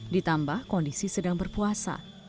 ditambah kondisi sedang berpuasa